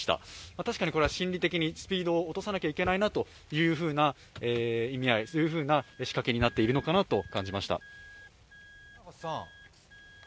確かに、これは心理的にスピードを落とさないといけないなというような意味合い仕掛けになっているのかなと感じました。